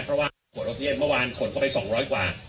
เพราะว่าผลออกประเทศเมื่อวานขนเข้าไป๒๐๐กว่า